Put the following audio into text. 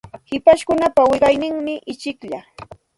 Hipashkunapa wiqawnin ichikllam.